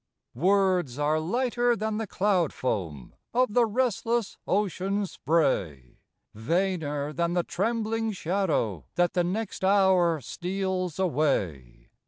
VK/'ORDS are lighter than the cloud foam Of the restless ocean spray ; Vainer than the trembling shadow That the next hour steals away.